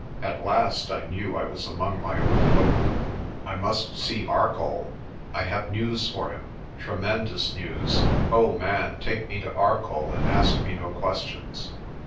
At last I knew I was among my own folk. "I must see Arcoll. I have news for him tremendous news. O man, take me to Arcoll and ask me no questions.